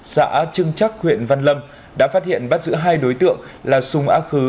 xã trưng chắc huyện văn lâm đã phát hiện bắt giữ hai đối tượng là sùng á khứ